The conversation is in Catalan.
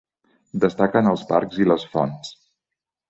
Destaquen els parcs i les fonts.